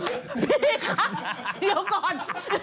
พี่คะเดี๋ยวก่อน